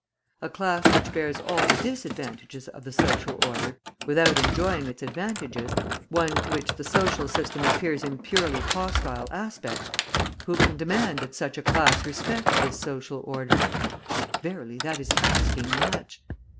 A class which bears all the disadvantages of the social order without enjoying its advantages, one to which the social system appears in purely hostile aspects who can demand that such a class respect this social order? Verily that is asking much!